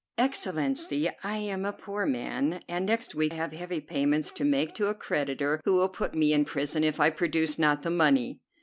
"Excellency, I am a poor man, and next week have heavy payments to make to a creditor who will put me in prison if I produce not the money."